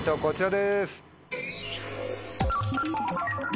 こちらです。